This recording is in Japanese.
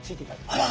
あら！